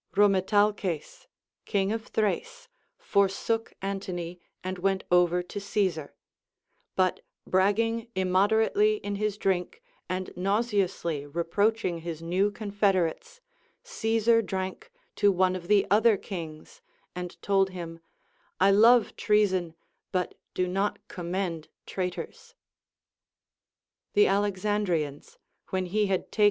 Rymetalces, king of Thrace, forsook Antony and went over to Caesar ; but bragging immoderately in his drink, and nauseously reproaching his new confederates, Caesar drank to one of the other kings, and told him, I love treason but do not commend * ^ίίλθον, είδον, ενίκησα, veni, vidi, vici.